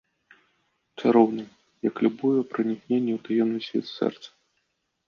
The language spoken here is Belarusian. Чароўны, як любое пранікненне ў таемны свет сэрца.